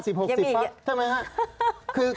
ใช่ไหมครับ